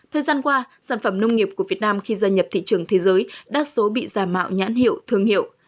thời gian qua sản phẩm nông nghiệp của việt nam khi gia nhập thị trường thế giới đa số bị giả mạo nhãn hiệu thương hiệu